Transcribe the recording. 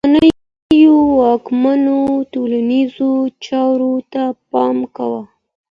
پخوانيو واکمنانو ټولنيزو چارو ته پام کاوه.